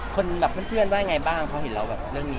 คนแบบเพื่อนว่าไงบ้างพอเห็นเราแบบเรื่องนี้